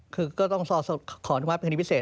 คือก็ต้องสอบขออนุญาตเป็นคณิตพิเศษ